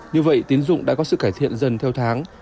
như vậy tiến dụng đã có sự cải thiện dần theo tháng